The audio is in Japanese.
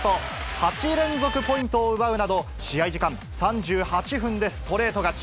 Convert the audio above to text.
８連続ポイントを奪うなど、試合時間３８分でストレート勝ち。